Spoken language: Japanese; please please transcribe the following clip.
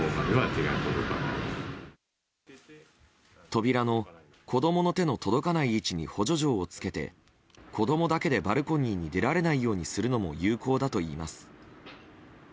扉の子供の手の届かない位置に補助錠をつけて子供だけでバルコニーに出られないようにするのも有効だといいます。